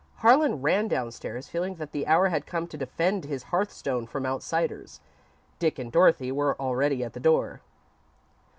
Harlan ran downstairs, feeling that the hour had come to defend his hearthstone from outsiders. Dick and Dorothy were already at the door.